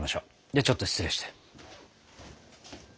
ではちょっと失礼して。